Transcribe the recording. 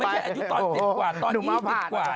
ไม่ใช่ตอนอีกจนกว่าแต่ว่าอีกจนกว่า